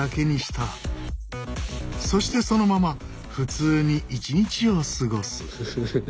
そしてそのまま普通に一日を過ごす。